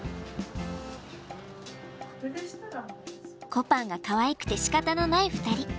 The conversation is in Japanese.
こぱんがかわいくてしかたのない２人。